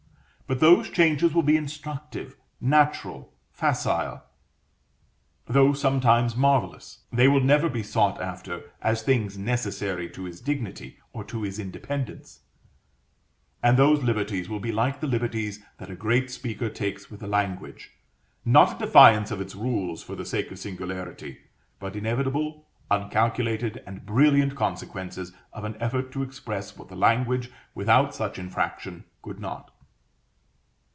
But those changes will be instructive, natural, facile, though sometimes marvellous; they will never be sought after as things necessary to his dignity or to his independence; and those liberties will be like the liberties that a great speaker takes with the language, not a defiance of its rules for the sake of singularity; but inevitable, uncalculated, and brilliant consequences of an effort to express what the language, without such infraction, could not.